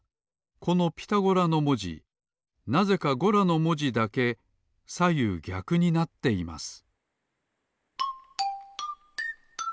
この「ピタゴラ」のもじなぜか「ゴラ」のもじだけさゆうぎゃくになっています